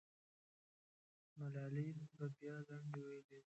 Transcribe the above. ملالۍ به بیا لنډۍ ویلې وې.